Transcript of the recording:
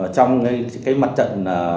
trong mặt trận